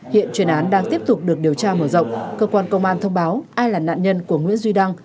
hiện truyền án đang tiếp tục được điều tra mở rộng cơ quan công an thông báo ai là nạn nhân của nguyễn duy đăng